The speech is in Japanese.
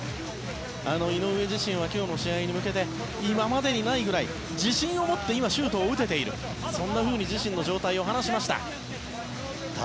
井上自身は今日も試合に向けて今までにないぐらい自信を持ってシュートを打てているそんなふうに自身の状態を話しました。